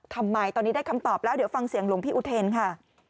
ทำไมตอนนี้ได้คำตอบแล้วเดี๋ยวฟังเสียงหลวงพี่อุเทนค่ะ